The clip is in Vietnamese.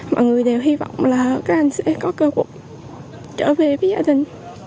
mọi người đều hy vọng là các anh sẽ có cơ hội trở về với gia đình